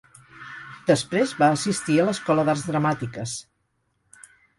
Després va assistir a l'escola d'arts dramàtiques.